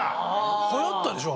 流行ったでしょ？